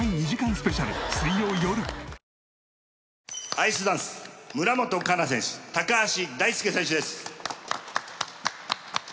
アイスダンス村元哉中選手高橋大輔選手です。